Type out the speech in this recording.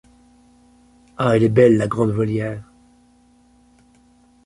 Ah elle est belle, la grande volière !